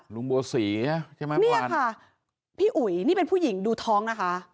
ลุงบัวศรีใช่ไหมเนี่ยค่ะพี่อุ๋ยนี่เป็นผู้หญิงดูท้องนะคะ